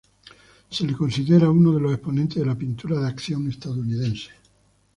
Se le considera uno de los exponentes de la pintura de acción estadounidense.